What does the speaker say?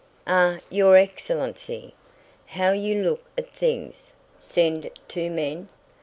"Ah, your excellency! How you look at things! Send two men?